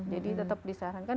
jadi tetap disarankan